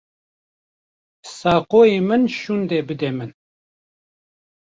Saqoyê min şûnde bide min.